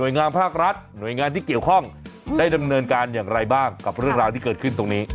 งามภาครัฐหน่วยงานที่เกี่ยวข้องได้ดำเนินการอย่างไรบ้างกับเรื่องราวที่เกิดขึ้นตรงนี้